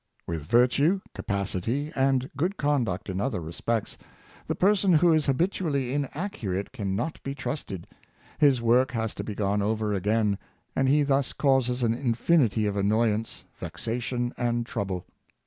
With virtue, capacity, and good conduct in other respects, the person who is habitually inaccu rate can not be trusted; his work has to be gone over again; and he thus causes an infinity of annoyance, vexation, and trouble.